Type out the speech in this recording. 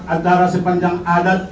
adara sepanjang adat